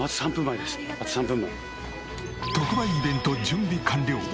特売イベント準備完了。